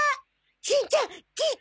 しんちゃん聞いて！